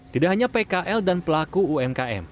tidak hanya pkl dan pelaku umkm